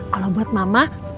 kalau buat mama